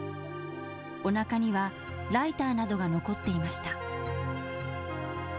おなかにはライターなどが残っていました。